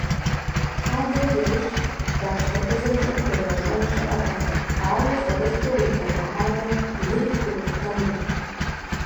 ЩӀалэр ерыщт, баштекъузэкӀэ пхуегъэщӀэн щыӀэтэкъым, ауэ фӀырыфӀкӀэ убгъэдыхьэмэ, бгыри пхуикъутэнут.